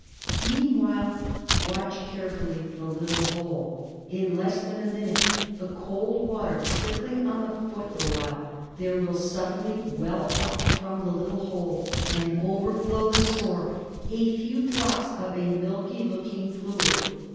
Meanwhile watch carefully the little hole. In less than a minute, the cold water trickling on to the foot the while, there will suddenly well up from the little hole and overflow the sore a few drops of a milky looking fluid.